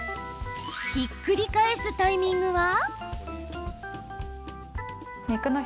ひっくり返すタイミングは？